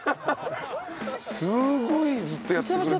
すごいずっとやってくれてる。